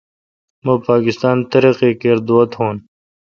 مہ پاکستان ترقی کر دعا تو